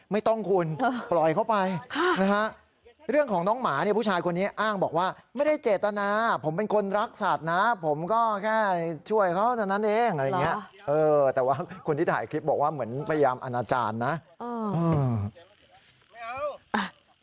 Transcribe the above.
แต่นะครับคุณที่ถ่ายคลิปบอกว่าเหมือนกับเปยราหมณาอาจารย์นะฮะ